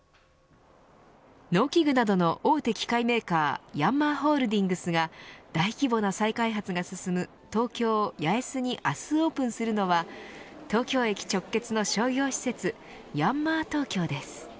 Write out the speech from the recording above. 農機具などの大手機械メーカーヤンマーホールディングスが大規模な再開発が進む東京、八重洲に明日オープンするのは東京駅直結の商業施設ＹＡＮＭＡＲＴＯＫＹＯです。